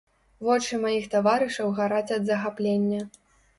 Вочы маіх таварышаў гараць ад захаплення.